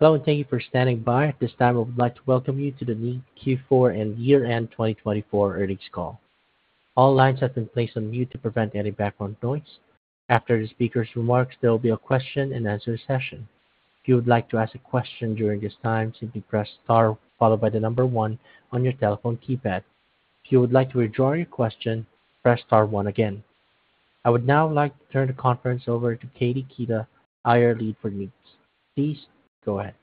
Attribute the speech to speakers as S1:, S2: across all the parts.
S1: Hello, and thank you for standing by. At this time, I would like to welcome you to the Kneat Q4 and Year-End 2024 Earnings Call. All lines have been placed on mute to prevent any background noise. After the speaker's remarks, there will be a question-and-answer session. If you would like to ask a question during this time, simply press star followed by the number one on your telephone keypad. If you would like to withdraw your question, press star again. I would now like to turn the conference over to Katie Keita, IR Lead for Kneat. Please go ahead.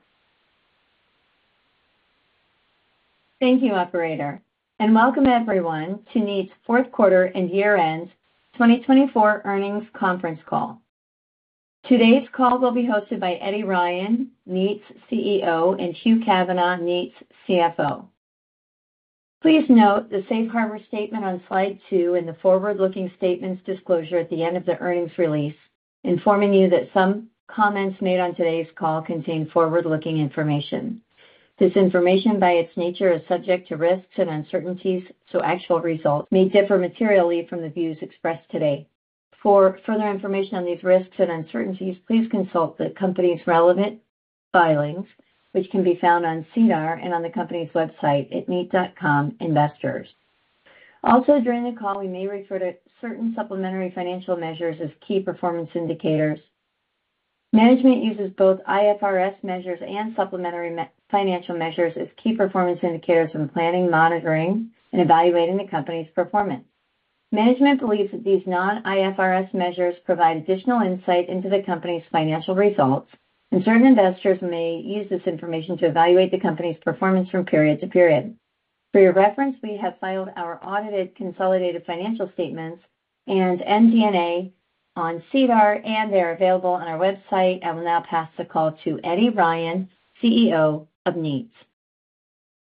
S2: Thank you, Operator, and welcome, everyone, to Kneat's fourth quarter and year-end 2024 earnings conference call. Today's call will be hosted by Eddie Ryan, Kneat's CEO, and Hugh Kavanagh, Kneat's CFO. Please note the safe harbor statement on Slide 2 and the forward-looking statements disclosure at the end of the earnings release, informing you that some comments made on today's call contain forward-looking information. This information, by its nature, is subject to risks and uncertainties, so actual results may differ materially from the views expressed today. For further information on these risks and uncertainties, please consult the company's relevant filings, which can be found on SEDAR and on the company's website at Kneat.com/investors. Also, during the call, we may refer to certain supplementary financial measures as key performance indicators. Management uses both IFRS measures and supplementary financial measures as key performance indicators when planning, monitoring, and evaluating the company's performance. Management believes that these non-IFRS measures provide additional insight into the company's financial results, and certain investors may use this information to evaluate the company's performance from period to period. For your reference, we have filed our audited consolidated financial statements and MD&A on SEDAR, and they are available on our website. I will now pass the call to Eddie Ryan, CEO of Kneat.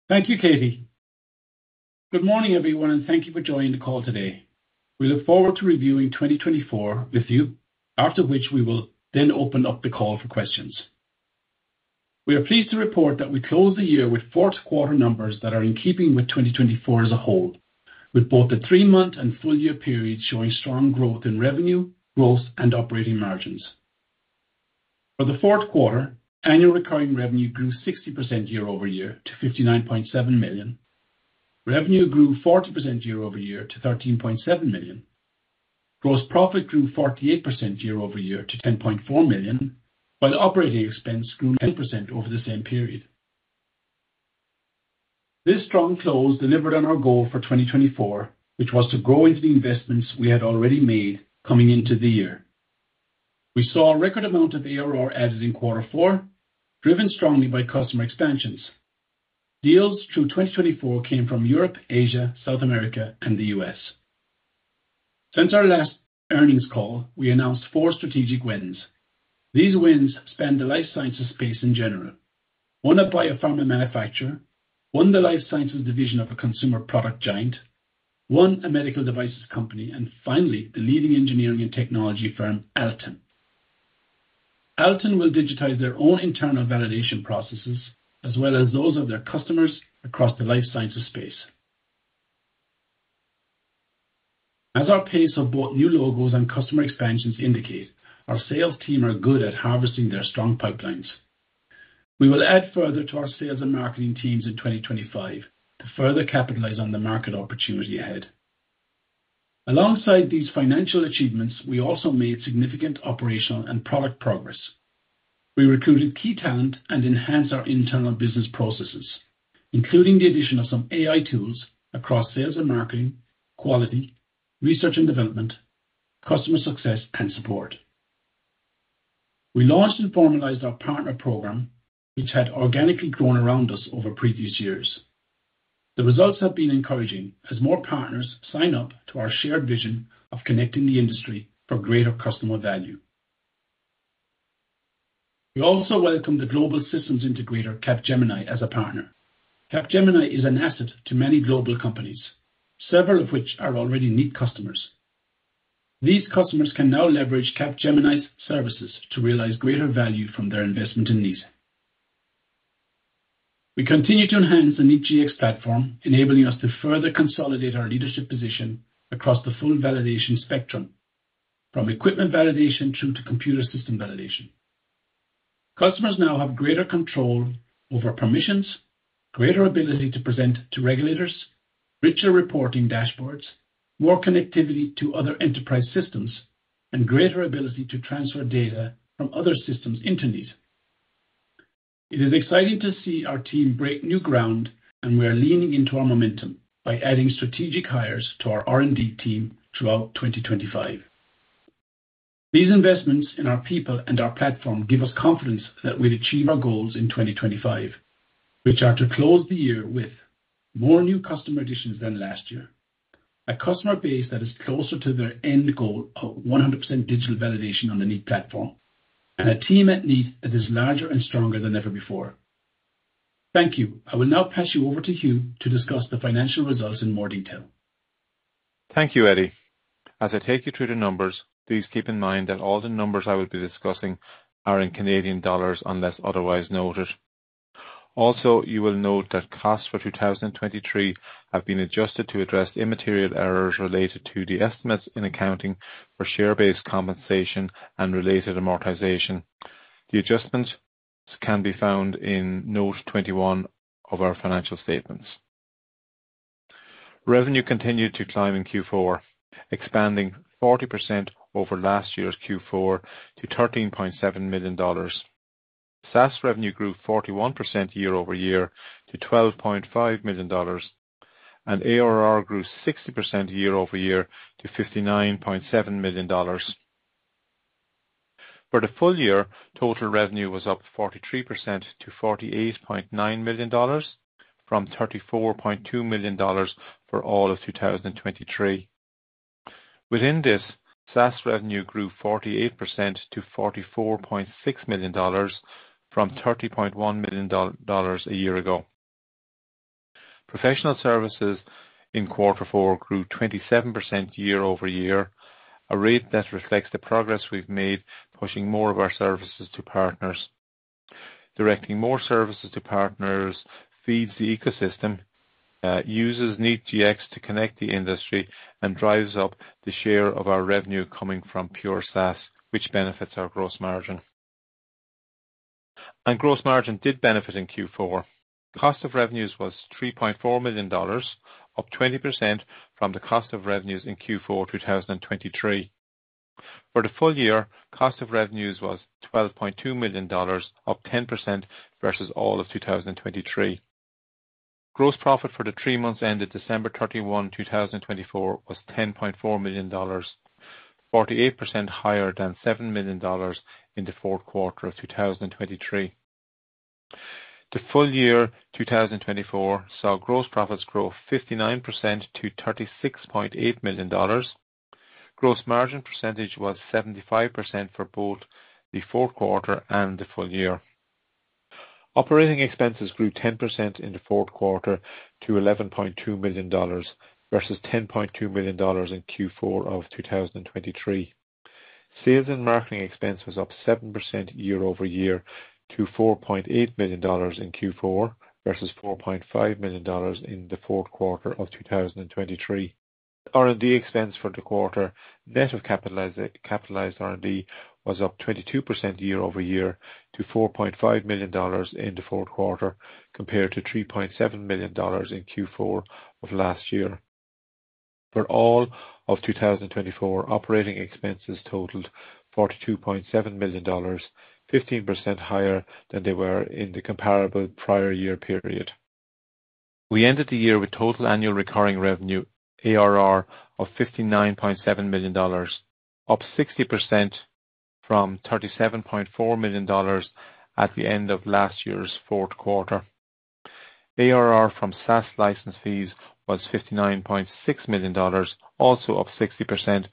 S3: Thank you, Katie. Good morning, everyone, and thank you for joining the call today. We look forward to reviewing 2024 with you, after which we will then open up the call for questions. We are pleased to report that we closed the year with fourth quarter numbers that are in keeping with 2024 as a whole, with both the three-month and full-year periods showing strong growth in revenue, growth, and operating margins. For the fourth quarter, annual recurring revenue grew 60% year-over-year to 59.7 million. Revenue grew 40% year-over-year to 13.7 million. Gross profit grew 48% year-over-year to 0.4 million, while operating expense grew 10% over the same period. This strong close delivered on our goal for 2024, which was to grow into the investments we had already made coming into the year. We saw a record amount of ARR added in quarter four, driven strongly by customer expansions. Deals through 2024 came from Europe, Asia, South America, and the US. Since our last earnings call, we announced four strategic wins. These wins span the life sciences space in general, won by a pharma manufacturer, won the life sciences division of a consumer product giant, won a medical devices company, and finally, the leading engineering and technology firm, ALTEN. ALTEN will digitize their own internal validation processes as well as those of their customers across the life sciences space. As our pace of both new logos and customer expansions indicate, our sales team are good at harvesting their strong pipelines. We will add further to our sales and marketing teams in 2025 to further capitalize on the market opportunity ahead. Alongside these financial achievements, we also made significant operational and product progress. We recruited key talent and enhanced our internal business processes, including the addition of some AI tools across sales and marketing, quality, research and development, customer success, and support. We launched and formalized our partner program, which had organically grown around us over previous years. The results have been encouraging as more partners sign up to our shared vision of connecting the industry for greater customer value. We also welcome the global systems integrator, Capgemini, as a partner. Capgemini is an asset to many global companies, several of which are already Kneat customers. These customers can now leverage Capgemini's services to realize greater value from their investment in Kneat. We continue to enhance the Kneat Gx platform, enabling us to further consolidate our leadership position across the full validation spectrum, from equipment validation through to computer system validation. Customers now have greater control over permissions, greater ability to present to regulators, richer reporting dashboards, more connectivity to other enterprise systems, and greater ability to transfer data from other systems into Kneat. It is exciting to see our team break new ground, and we are leaning into our momentum by adding strategic hires to our R&D team throughout 2025. These investments in our people and our platform give us confidence that we'll achieve our goals in 2025, which are to close the year with more new customer additions than last year, a customer base that is closer to their end goal of 100% digital validation on the Kneat platform, and a team at Kneat that is larger and stronger than ever before. Thank you. I will now pass you over to Hugh to discuss the financial results in more detail.
S4: Thank you, Eddie. As I take you through the numbers, please keep in mind that all the numbers I will be discussing are in Canadian dollars unless otherwise noted. Also, you will note that costs for 2023 have been adjusted to address immaterial errors related to the estimates in accounting for share-based compensation and related amortization. The adjustments can be found in Note 21 of our financial statements. Revenue continued to climb in Q4, expanding 40% over last year's Q4 to 13.7 million dollars. SaaS revenue grew 41% year-over-year to 12.5 million dollars, and ARR grew 60% year-over-year to 59.7 million dollars. For the full year, total revenue was up 43% to 48.9 million dollars, from 34.2 million dollars for all of 2023. Within this, SaaS revenue grew 48% to 44.6 million dollars from 30.1 million dollars a year ago. Professional services in quarter four grew 27% year-over-year, a rate that reflects the progress we've made, pushing more of our services to partners. Directing more services to partners feeds the ecosystem, uses Kneat Gx to connect the industry, and drives up the share of our revenue coming from pure SaaS, which benefits our gross margin. And gross margin did benefit in Q4. Cost of revenues was 3.4 million dollars, up 20% from the cost of revenues in Q4 2023. For the full year, cost of revenues was 12.2 million dollars, up 10% versus all of 2023. Gross profit for the three months ended December 31, 2024, was 10.4 million dollars, 48% higher than 7 million dollars in the fourth quarter of 2023. The full year 2024 saw gross profits grow 59% to 36.8 million dollars. Gross margin percentage was 75% for both the fourth quarter and the full year. Operating expenses grew 10% in the fourth quarter to 11.2 million dollars versus 10.2 million dollars in Q4 of 2023. Sales and marketing expense was up 7% year-over-year to 4.8 million dollars in Q4 versus 4.5 million dollars in the fourth quarter of 2023. R&D expense for the quarter, net of capitalized R&D, was up 22% year-over-year to 4.5 million dollars in the fourth quarter, compared to 3.7 million dollars in Q4 of last year. For all of 2024, operating expenses totaled 42.7 million dollars, 15% higher than they were in the comparable prior year period. We ended the year with total annual recurring revenue, ARR, of 59.7 million dollars, up 60% from 37.4 million dollars at the end of last year's fourth quarter. ARR from SaaS license fees was 59.6 million dollars, also up 60%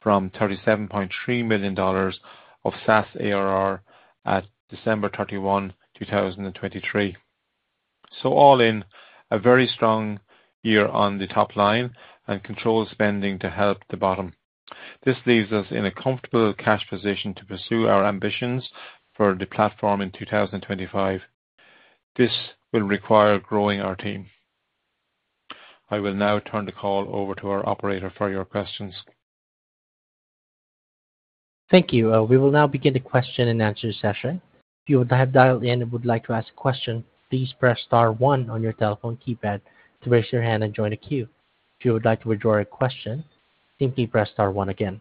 S4: from 37.3 million dollars of SaaS ARR at December 31, 2023. So all in, a very strong year on the top line and controlled spending to help the bottom. This leaves us in a comfortable cash position to pursue our ambitions for the platform in 2025. This will require growing our team. I will now turn the call over to our Operator for your questions.
S1: Thank you. We will now begin the question and answer session. If you have dialed in and would like to ask a question, please press star one on your telephone keypad to raise your hand and join a queue. If you would like to withdraw your question, simply press star oneagain.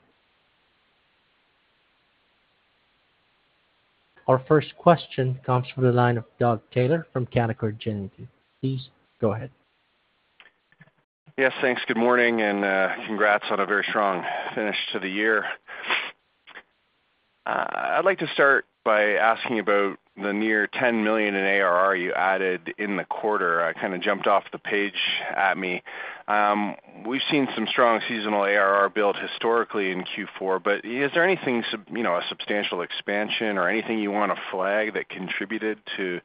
S1: Our first question comes from the line of Doug Taylor from Canaccord Genuity. Please go ahead.
S5: Yes, thanks. Good morning and congrats on a very strong finish to the year. I'd like to start by asking about the near 10 million in ARR you added in the quarter. It kind of jumped off the page at me. We've seen some strong seasonal ARR built historically in Q4, but is there anything, a substantial expansion or anything you want to flag that contributed to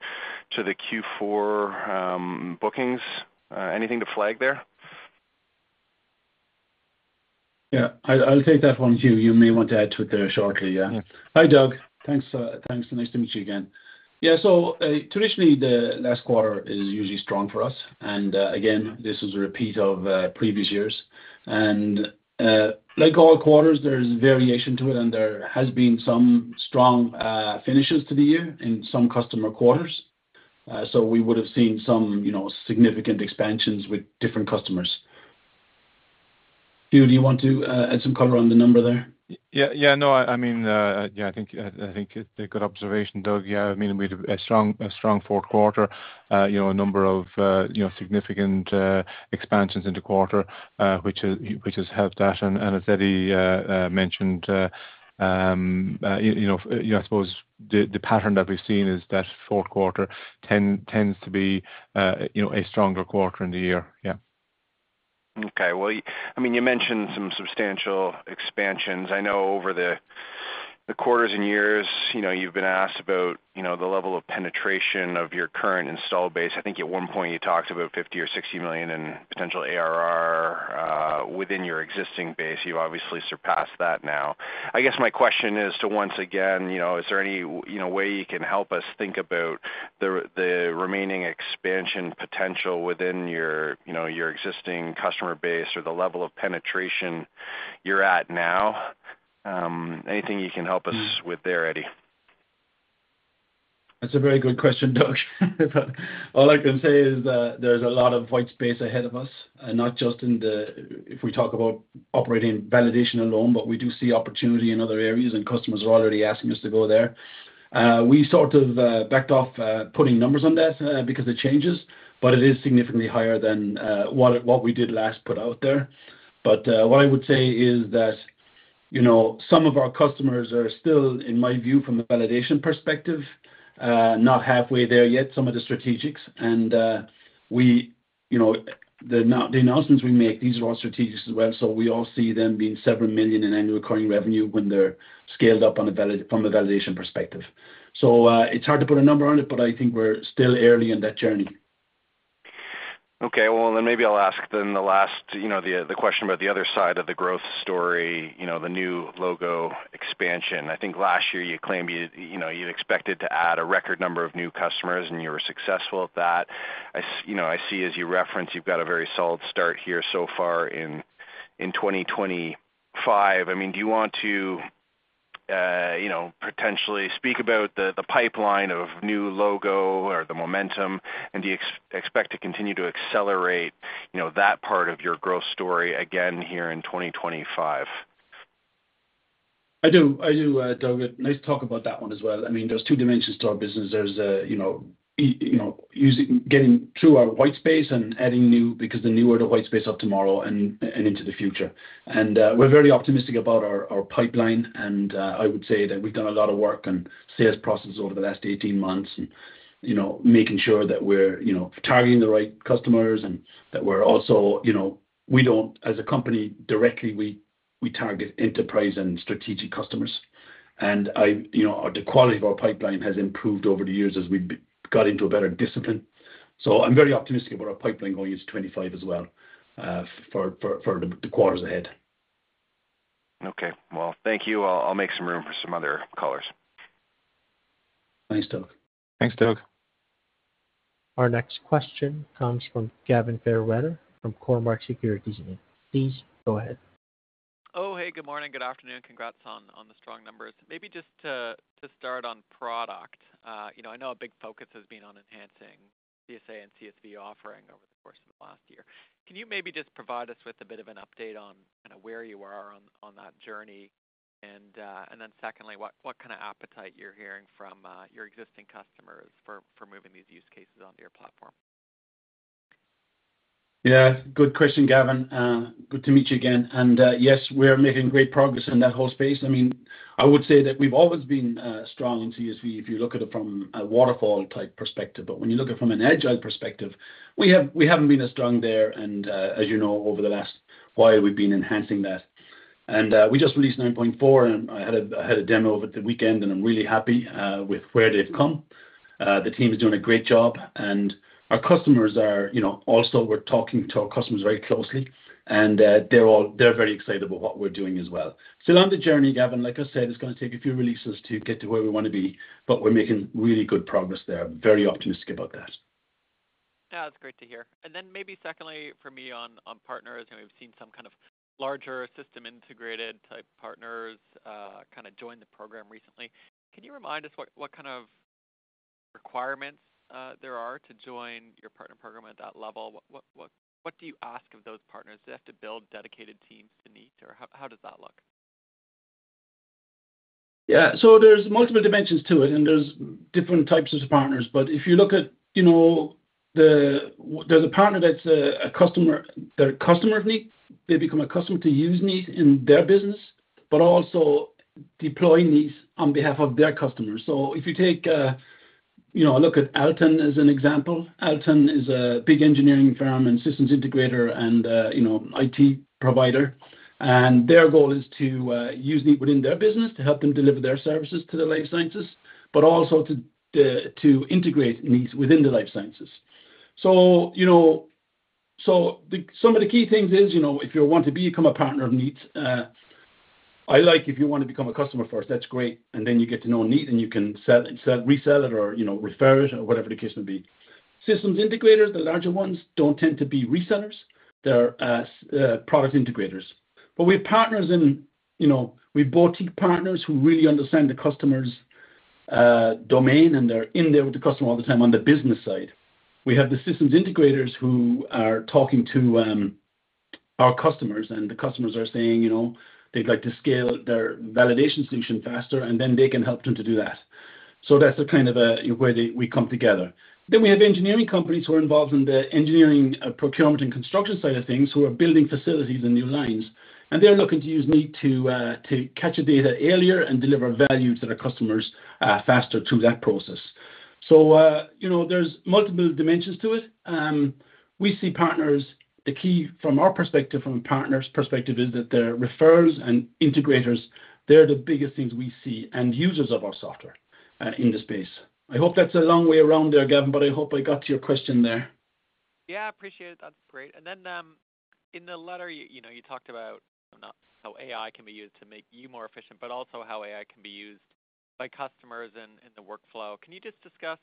S5: the Q4 bookings? Anything to flag there?
S3: Yeah, I'll take that one too. You may want to add to it there shortly. Yeah. Hi, Doug. Thanks. Thanks. Nice to meet you again. Yeah, so traditionally, the last quarter is usually strong for us. And again, this is a repeat of previous years. And like all quarters, there's variation to it, and there has been some strong finishes to the year in some customer quarters. So we would have seen some significant expansions with different customers. Hugh, do you want to add some color on the number there?
S4: Yeah, yeah. No, I mean, yeah, I think it's a good observation, Doug. Yeah, I mean, we had a strong fourth quarter, a number of significant expansions in the quarter, which has helped us. And as Eddie mentioned, I suppose the pattern that we've seen is that fourth quarter tends to be a stronger quarter in the year. Yeah.
S5: Okay. Well, I mean, you mentioned some substantial expansions. I know over the quarters and years, you've been asked about the level of penetration of your current installed base. I think at one point you talked about 50 million or 60 million in potential ARR within your existing base. You've obviously surpassed that now. I guess my question is to once again, is there any way you can help us think about the remaining expansion potential within your existing customer base or the level of penetration you're at now? Anything you can help us with there, Eddie?
S3: That's a very good question, Doug. All I can say is there's a lot of white space ahead of us, not just if we talk about equipment validation alone, but we do see opportunity in other areas, and customers are already asking us to go there. We sort of backed off putting numbers on that because of the changes, but it is significantly higher than what we did last put out there. What I would say is that some of our customers are still, in my view, from a validation perspective, not halfway there yet, some of the strategics. The announcements we make, these are all strategics as well. We all see them being several million in annual recurring revenue when they're scaled up from a validation perspective. So it's hard to put a number on it, but I think we're still early in that journey.
S5: Okay. Well, then maybe I'll ask then the last, the question about the other side of the growth story, the new logo expansion. I think last year you claimed you expected to add a record number of new customers, and you were successful at that. I see as you reference, you've got a very solid start here so far in 2025. I mean, do you want to potentially speak about the pipeline of new logo or the momentum, and do you expect to continue to accelerate that part of your growth story again here in 2025?
S3: I do, I do, Doug. Nice talk about that one as well. I mean, there's two dimensions to our business. There's getting through our white space and adding new because the newer the white space of tomorrow and into the future. We're very optimistic about our pipeline, and I would say that we've done a lot of work on sales processes over the last 18 months and making sure that we're targeting the right customers and that we're also don't, as a company, directly target enterprise and strategic customers. The quality of our pipeline has improved over the years as we've got into a better discipline. I'm very optimistic about our pipeline going into 2025 as well for the quarters ahead.
S6: Okay, well, thank you. I'll make some room for some other callers.
S3: Thanks, Doug.
S4: Thanks, Doug.
S1: Our next question comes from Gavin Fairweather from Cormark Securities. Please go ahead.
S7: Oh, hey, good morning. Good afternoon. Congrats on the strong numbers. Maybe just to start on product, I know a big focus has been on enhancing CSA and CSV offering over the course of the last year. Can you maybe just provide us with a bit of an update on kind of where you are on that journey? And then secondly, what kind of appetite you're hearing from your existing customers for moving these use cases onto your platform?
S3: Yeah, it's a good question, Gavin. Good to meet you again, and yes, we're making great progress in that whole space. I mean, I would say that we've always been strong in CSV if you look at it from a waterfall-type perspective, but when you look at it from an agile perspective, we haven't been as strong there, and as you know, over the last while, we've been enhancing that, and we just released 9.4, and I had a demo over the weekend, and I'm really happy with where they've come. The team is doing a great job, and our customers are also. We're talking to our customers very closely, and they're very excited about what we're doing as well, so on the journey, Gavin, like I said, it's going to take a few releases to get to where we want to be, but we're making really good progress there. I'm very optimistic about that.
S7: That's great to hear. And then maybe secondly for me on partners, we've seen some kind of larger system-integrated type partners kind of join the program recently. Can you remind us what kind of requirements there are to join your partner program at that level? What do you ask of those partners? Do they have to build dedicated teams to Kneat, or how does that look?
S3: Yeah. So there's multiple dimensions to it, and there's different types of partners. But if you look at there's a partner that's a customer of Kneat. They become a customer to use Kneat in their business, but also deploying these on behalf of their customers. So if you take a look at ALTEN as an example, ALTEN is a big engineering firm and systems integrator and IT provider. And their goal is to use Kneat within their business to help them deliver their services to the life sciences, but also to integrate Kneat within the life sciences. So some of the key things is if you want to become a partner of Kneat, I like if you want to become a customer first. That's great. And then you get to know Kneat, and you can resell it or refer it or whatever the case may be. Systems integrators, the larger ones, don't tend to be resellers. They're product integrators. But we have boutique partners who really understand the customer's domain, and they're in there with the customer all the time on the business side. We have the systems integrators who are talking to our customers, and the customers are saying they'd like to scale their validation solution faster, and then they can help them to do that. That's the kind of where we come together. We have engineering companies who are involved in the engineering procurement and construction side of things who are building facilities and new lines, and they're looking to use Kneat to catch the data earlier and deliver value to their customers faster through that process. There's multiple dimensions to it. We see partners. The key from our perspective, from a partner's perspective, is that they're referrals and integrators. They're the biggest things we see and users of our software in the space. I hope that's a long way around there, Gavin, but I hope I got to your question there.
S7: Yeah, I appreciate it. That's great. In the letter, you talked about how AI can be used to make you more efficient, but also how AI can be used by customers in the workflow. Can you just discuss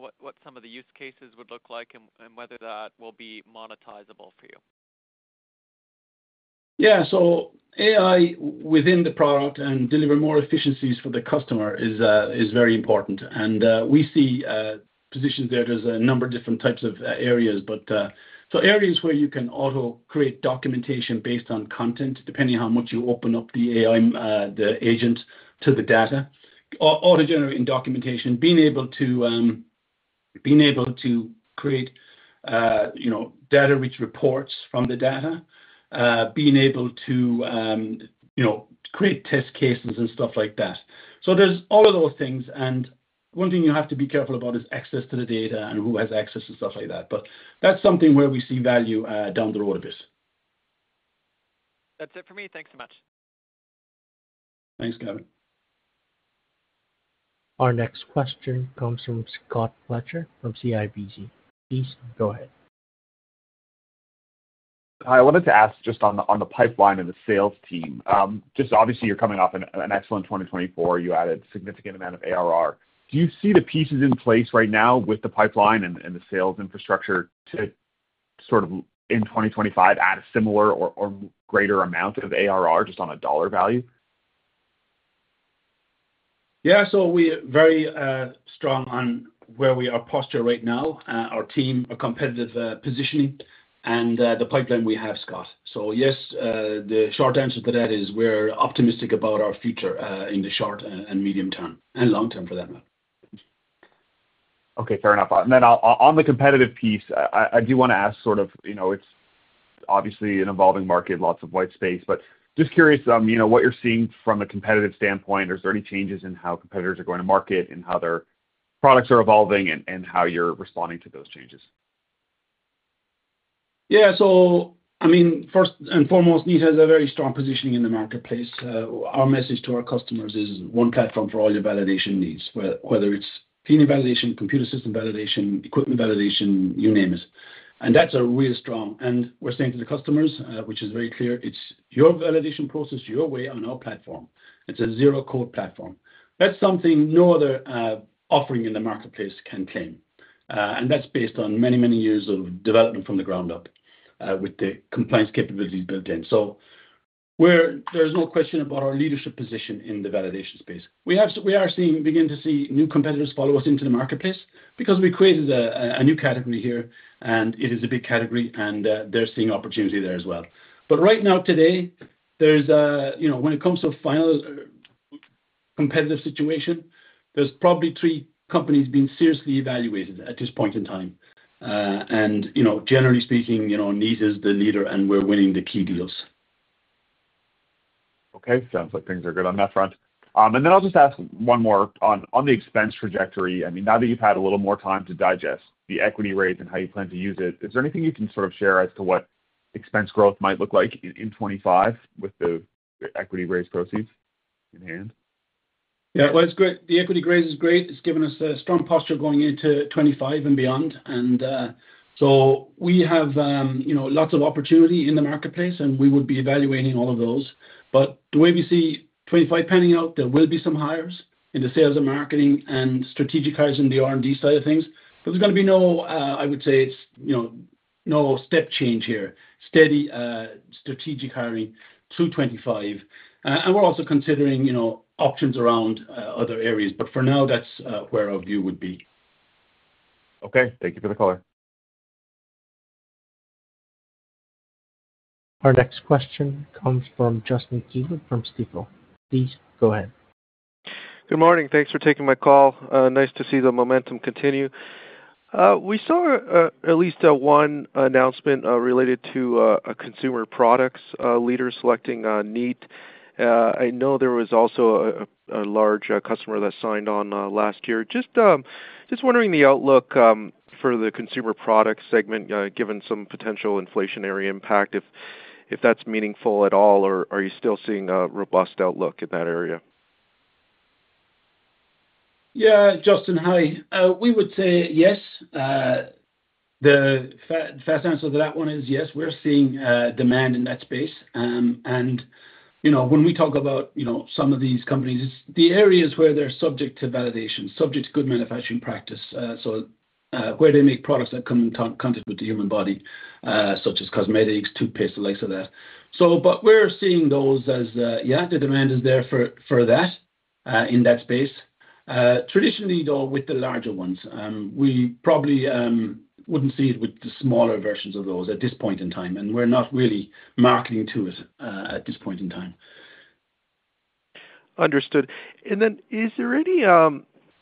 S7: what some of the use cases would look like and whether that will be monetizable for you?
S3: Yeah. So AI within the product and deliver more efficiencies for the customer is very important. And we see positions there. There's a number of different types of areas, but so areas where you can auto-create documentation based on content, depending on how much you open up the agent to the data, auto-generating documentation, being able to create data-rich reports from the data, being able to create test cases and stuff like that. So there's all of those things. And one thing you have to be careful about is access to the data and who has access and stuff like that. But that's something where we see value down the road a bit.
S7: That's it for me. Thanks so much.
S3: Thanks, Gavin.
S1: Our next question comes from Scott Fletcher from CIBC. Please go ahead.
S8: Hi. I wanted to ask just on the pipeline and the sales team. Just obviously, you're coming off an excellent 2024. You added a significant amount of ARR. Do you see the pieces in place right now with the pipeline and the sales infrastructure to sort of in 2025 add a similar or greater amount of ARR just on a dollar value?
S3: Yeah. So we are very strong on where we are posture right now, our team, our competitive positioning, and the pipeline we have, Scott. So yes, the short answer to that is we're optimistic about our future in the short and medium term and long-term for that matter.
S8: Okay. Fair enough. And then on the competitive piece, I do want to ask sort of it's obviously an evolving market, lots of white space, but just curious what you're seeing from a competitive standpoint. Is there any changes in how competitors are going to market and how their products are evolving and how you're responding to those changes?
S3: Yeah. So I mean, first and foremost, Kneat has a very strong positioning in the marketplace. Our message to our customers is one platform for all your validation needs, whether it's cleaning validation, computer system validation, equipment validation, you name it. And that's a real strong. And we're saying to the customers, which is very clear, it's your validation process, your way on our platform. It's a zero code platform. That's something no other offering in the marketplace can claim. And that's based on many, many years of development from the ground up with the compliance capabilities built in. So there's no question about our leadership position in the validation space. We are beginning to see new competitors follow us into the marketplace because we created a new category here, and it is a big category, and they're seeing opportunity there as well. But right now, today, when it comes to final competitive situation, there's probably three companies being seriously evaluated at this point in time. And generally speaking, Kneat is the leader, and we're winning the key deals.
S8: Okay. Sounds like things are good on that front. And then I'll just ask one more on the expense trajectory. I mean, now that you've had a little more time to digest the equity raise and how you plan to use it, is there anything you can sort of share as to what expense growth might look like in 2025 with the equity raise proceeds in hand?
S4: Yeah, well, it's great. The equity raise is great. It's given us a strong posture going into 2025 and beyond, and so we have lots of opportunity in the marketplace, and we would be evaluating all of those, but the way we see 2025 panning out, there will be some hires in the sales and marketing and strategic hires in the R&D side of things, but there's going to be no, I would say, no step change here, steady strategic hiring through 2025. We're also considering options around other areas, but for now, that's where our view would be.
S8: Okay. Thank you for the caller.
S1: Our next question comes from Justin Keywood from Stifel. Please go ahead.
S6: Good morning. Thanks for taking my call. Nice to see the momentum continue. We saw at least one announcement related to consumer products leaders selecting Kneat. I know there was also a large customer that signed on last year. Just wondering the outlook for the consumer product segment, given some potential inflationary impact, if that's meaningful at all, or are you still seeing a robust outlook in that area?
S3: Yeah. Justin, hi. We would say yes. The fast answer to that one is yes. We're seeing demand in that space, and when we talk about some of these companies, it's the areas where they're subject to validation, subject to good manufacturing practice, so where they make products that come in contact with the human body, such as cosmetics, toothpaste, and the likes of that, but we're seeing those as, yeah, the demand is there for that in that space. Traditionally, though, with the larger ones, we probably wouldn't see it with the smaller versions of those at this point in time, and we're not really marketing to it at this point in time.
S6: Understood. And then is there any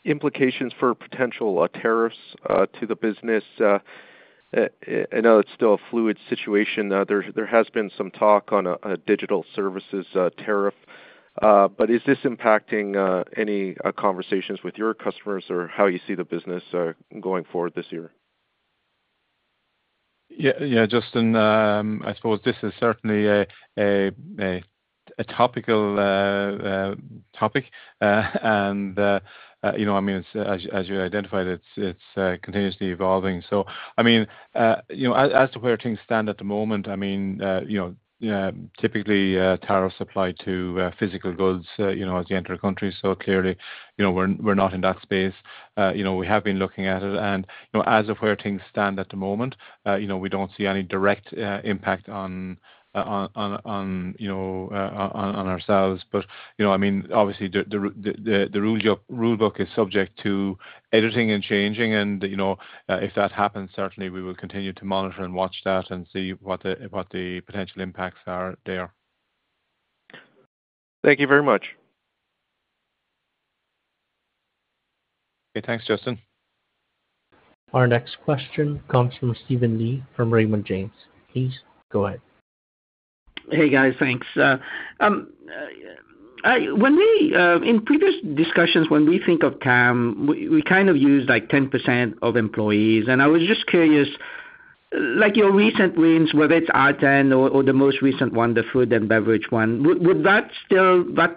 S6: implications for potential tariffs to the business? I know it's still a fluid situation. There has been some talk on a digital services tariff. But is this impacting any conversations with your customers or how you see the business going forward this year?
S4: Yeah. Justin, I suppose this is certainly a topical topic. And I mean, as you identified, it's continuously evolving. So I mean, as to where things stand at the moment, I mean, typically, tariffs apply to physical goods as you enter a country. So clearly, we're not in that space. We have been looking at it. And as of where things stand at the moment, we don't see any direct impact on ourselves. But I mean, obviously, the rulebook is subject to editing and changing. And if that happens, certainly, we will continue to monitor and watch that and see what the potential impacts are there.
S6: Thank you very much.
S4: Okay. Thanks, Justin.
S1: Our next question comes from Steven Li from Raymond James. Please go ahead.
S9: Hey, guys. Thanks. In previous discussions, when we think of TAM, we kind of use like 10% of employees, and I was just curious, like your recent wins, whether it's ALTEN or the most recent one, the food and beverage one, would that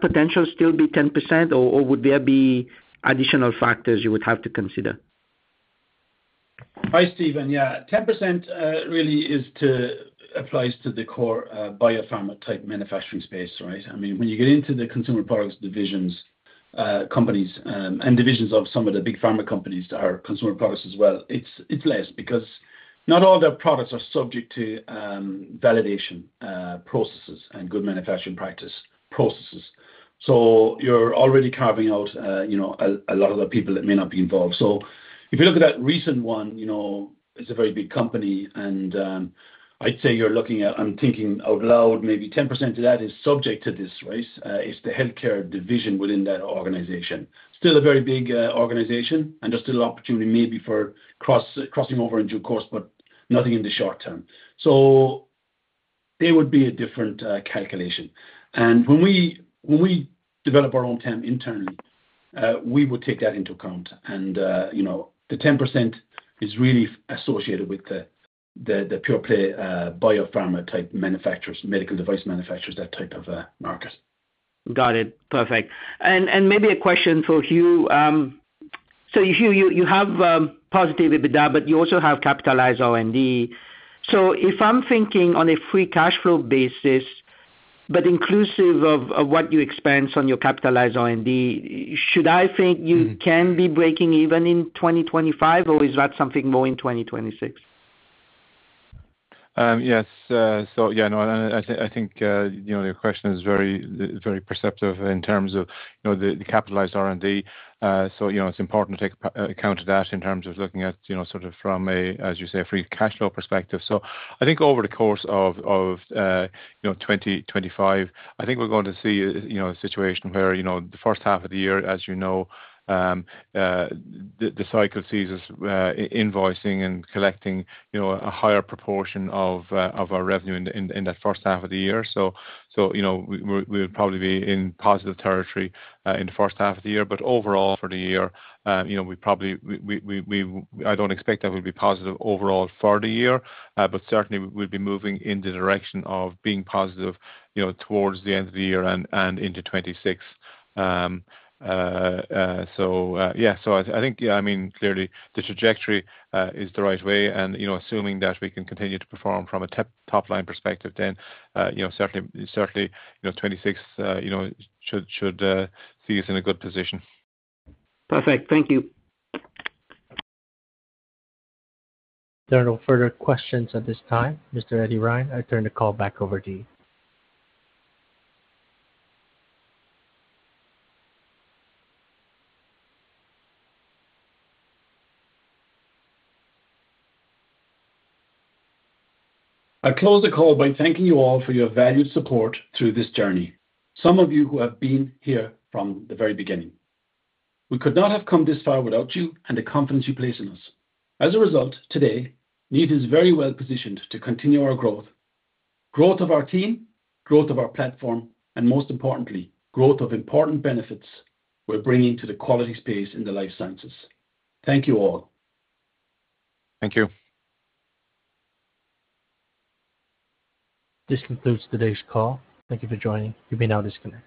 S9: potential still be 10%, or would there be additional factors you would have to consider?
S3: Hi, Steven. Yeah. 10% really applies to the core biopharma type manufacturing space, right? I mean, when you get into the consumer products divisions, companies, and divisions of some of the big pharma companies that are consumer products as well, it's less because not all their products are subject to validation processes and good manufacturing practice processes. So you're already carving out a lot of the people that may not be involved. So if you look at that recent one, it's a very big company, and I'd say you're looking at, I'm thinking out loud, maybe 10% of that is subject to this, right? It's the healthcare division within that organization. Still a very big organization, and there's still opportunity maybe for crossing over into a course, but nothing in the short-term. So it would be a different calculation. When we develop our own TAM internally, we would take that into account. The 10% is really associated with the pure play biopharma-type manufacturers, medical device manufacturers, that type of market.
S9: Got it. Perfect. And maybe a question for Hugh. So Hugh, you have positive EBITDA, but you also have capitalized R&D. So if I'm thinking on a free cash flow basis, but inclusive of what you expense on your capitalized R&D, should I think you can be breaking even in 2025, or is that something more in 2026?
S4: Yes. So yeah, no, I think your question is very perceptive in terms of the capitalized R&D. So it's important to take account of that in terms of looking at sort of from a, as you say, free cash flow perspective. So I think over the course of 2025, I think we're going to see a situation where the first half of the year, as you know, the cycle sees us invoicing and collecting a higher proportion of our revenue in that first half of the year. So we would probably be in positive territory in the first half of the year. But overall, for the year, we probably I don't expect that we'll be positive overall for the year, but certainly, we'll be moving in the direction of being positive towards the end of the year and into 2026. So yeah. I think, yeah, I mean, clearly, the trajectory is the right way. Assuming that we can continue to perform from a top-line perspective, then certainly, 2026 should see us in a good position.
S9: Perfect. Thank you.
S1: There are no further questions at this time. Mr. Eddie Ryan, I turn the call back over to you.
S3: I close the call by thanking you all for your valued support through this journey, some of you who have been here from the very beginning. We could not have come this far without you and the confidence you place in us. As a result, today, Kneat is very well positioned to continue our growth, growth of our team, growth of our platform, and most importantly, growth of important benefits we're bringing to the quality space in the life sciences. Thank you all.
S4: Thank you.
S1: This concludes today's call. Thank you for joining. You'll be now disconnected.